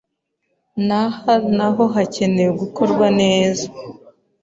Naha naho hakenewe gukorwa neza